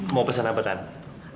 mau pesan apa tante